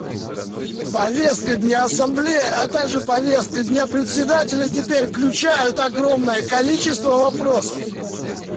Повестка дня Ассамблеи, а также повестка дня Председателя теперь включают огромное количество вопросов.